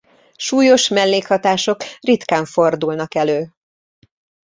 Súlyos mellékhatások ritkán fordulnak elő.